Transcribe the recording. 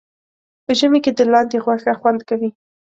په ژمي کې د لاندي غوښه خوند کوي